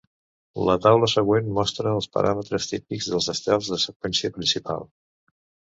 La taula següent mostra els paràmetres típics dels estels de seqüència principal.